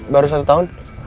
baru satu tahun